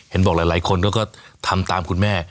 บอกหลายคนก็ทำตามคุณแม่